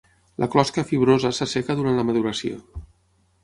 La closca fibrosa s'asseca durant la maduració.